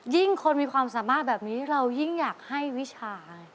ยิ่งคนมีความสามารถแบบนี้เรายิ่งอยากให้วิชา